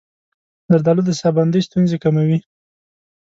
زردآلو د ساه بندۍ ستونزې کموي.